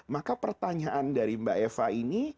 maka pertanyaan dari mbak eva ini